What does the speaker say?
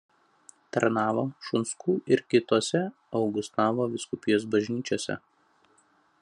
Tarnavo Šunskų ir kitose Augustavo vyskupijos bažnyčiose.